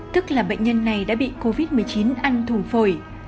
tức là bệnh nhân này đã bị covid một mươi chín ăn thùng phổi